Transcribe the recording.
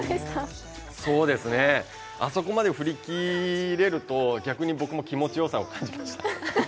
あそこまで振り切れると僕も逆に気持ちよさを感じました。